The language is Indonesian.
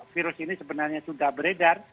virus ini sebenarnya sudah beredar